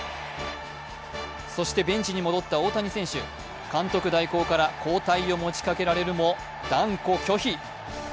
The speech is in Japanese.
そしてベンチに戻った大谷選手監督代行から交代を持ちかけられるも断固拒否。